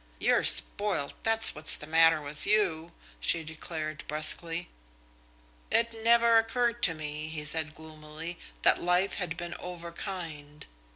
"You're spoilt, that's what's the matter with you," she declared brusquely. "It never occurred to me," he said gloomily, "that life had been over kind."